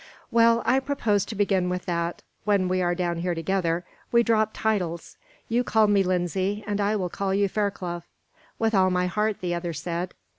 "Well, I propose to begin with that, when we are down here together, we drop titles; you call me Lindsay, and I will call you Fairclough." "With all my heart," the other said.